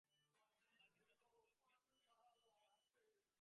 বাংলার বিখ্যাত কোন কাপড়কে নিয়ে বহু কাহিনি বা কিংবদন্তির সৃষ্টি হয়েছিল?